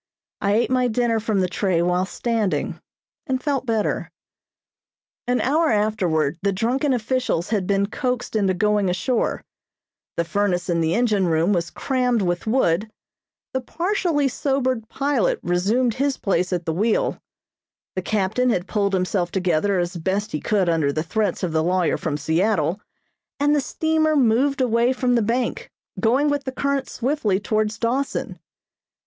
I ate my dinner from the tray while standing, and felt better. An hour afterward the drunken officials had been coaxed into going ashore; the furnace in the engine room was crammed with wood; the partially sobered pilot resumed his place at the wheel; the captain had pulled himself together as best he could under the threats of the lawyer from Seattle, and the steamer moved away from the bank, going with the current swiftly towards Dawson.